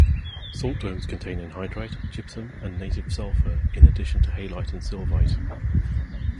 Salt domes contain anhydrite, gypsum, and native sulfur, in addition to halite and sylvite.